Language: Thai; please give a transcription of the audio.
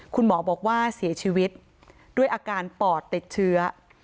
คุณหมอบอกว่าเสียชีวิตด้วยอาการปอดติดเชื้อ